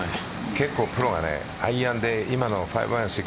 結構プロはアイアンで今のパー５、６アンダー